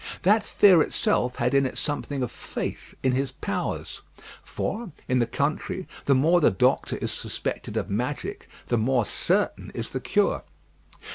That fear itself had in it something of faith in his powers; for in the country, the more the doctor is suspected of magic, the more certain is the cure.